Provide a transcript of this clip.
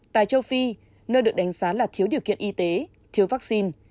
tại châu phi nơi được đánh giá là thiếu điều kiện y tế thiếu vaccine